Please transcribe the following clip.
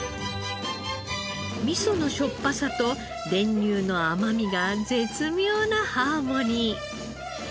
味噌のしょっぱさと練乳の甘みが絶妙なハーモニー。